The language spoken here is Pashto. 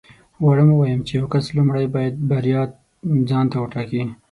غواړم ووایم چې یو کس لومړی باید بریا ځان ته وټاکي